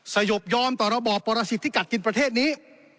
สยบยอมต่อระบอบปรสิทธิกัดกินประเทศนี้